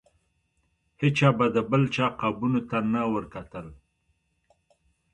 هیچا به د بل چا قابونو ته نه ورکتل.